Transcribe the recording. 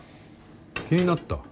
気になった？